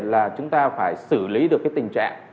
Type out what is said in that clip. là chúng ta phải xử lý được cái tình trạng